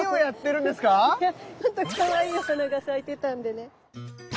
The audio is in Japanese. いやフッとかわいいお花が咲いてたんでね。